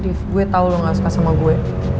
gue tau lo gak suka sama gue